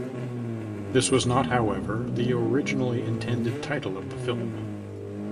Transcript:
This was not, however, the originally intended title of the film.